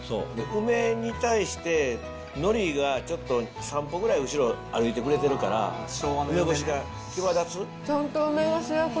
梅に対して、のりがちょっと３歩ぐらい後ろ歩いてくれてるから、梅干しが際立つ。